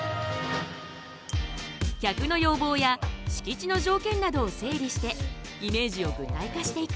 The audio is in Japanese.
客の要望や敷地の条件などを整理してイメージを具体化していく。